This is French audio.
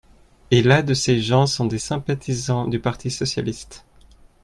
Et la de ces gens sont des sympathisants du parti socialiste